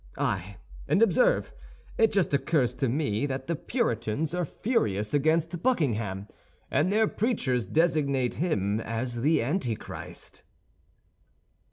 Ay, and observe—it just occurs to me that the Puritans are furious against Buckingham, and their preachers designate him as the Antichrist."